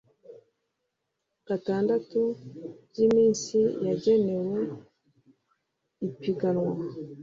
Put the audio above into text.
gatandatu by iminsi yagenewe ipiganwa